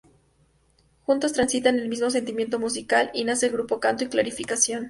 Juntos transitan el mismo sentimiento musical y nace el grupo "Canto y Clarificación".